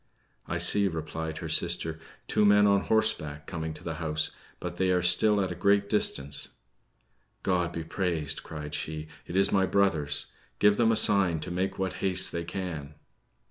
"I see," replied her sister, "two men on horseback coming to the house; but they are still at a great distance." "God be praised!" cried she; "it is my brothers. Give them a sign to make what haste they can."